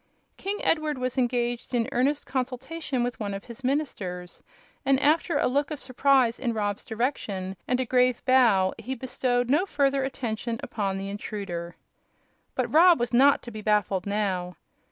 King Edward was engaged in earnest consultation with one of his ministers, and after a look of surprise in Rob's direction and a grave bow he bestowed no further attention upon the intruder. But Rob was not to be baffled now.